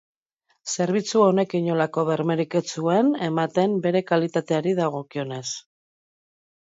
Zerbitzu honek inolako bermerik ez zuen ematen bere kalitateari dagokionez.